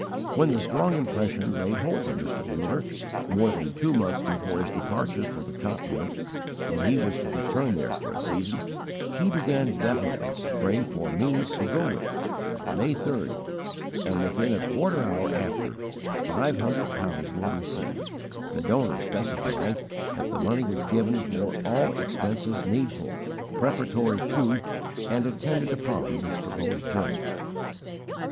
When the strong impression laid hold of Mr. Muller, more than two months before his departure for the Continent, that he was to return there for a season, he began definitely to pray for means to go with, on May 3rd, and, within a quarter hour after, five hundred pounds were received, the donor specifying that the money was given for all expenses needful, "preparatory to, and attendant upon" this proposed journey.